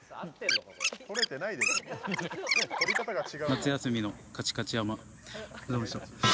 夏休みのカチカチ山。